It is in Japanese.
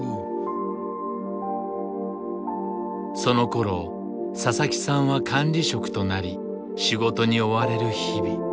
そのころ佐々木さんは管理職となり仕事に追われる日々。